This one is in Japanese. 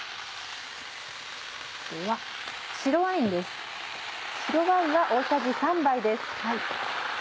白ワインです。